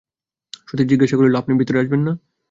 সতীশ জিজ্ঞাসা করিল, আপনি ভিতরে আসবেন না?